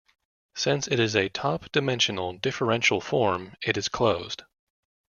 Since it is a top-dimensional differential form, it is closed.